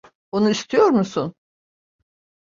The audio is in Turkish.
Onu istiyor musun?